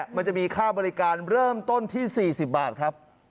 มันจะมีค่าบริการเริ่มต้นที่๔๐บาทครับ